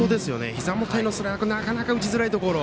ひざ元へのスライダーなかなか打ちづらいところ。